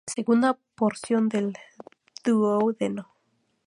Segunda porción del duodeno.